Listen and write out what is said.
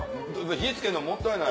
火付けるのもったいない。